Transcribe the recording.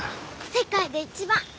世界で一番！